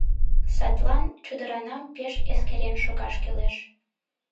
Садлан чодыранам пеш эскерен шогаш кӱлеш.